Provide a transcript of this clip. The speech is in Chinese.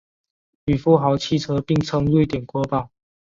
与富豪汽车并称瑞典国宝。